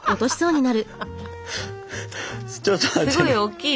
すごいおっきい。